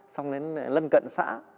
xong đến lân cận xã